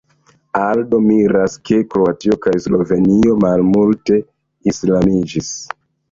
Aldo miras, ke Kroatio kaj Slovenio malmulte islamiĝis.